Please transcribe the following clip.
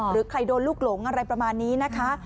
หรือใครโดนลูกหลงอะไรประมาณนี้นะคะ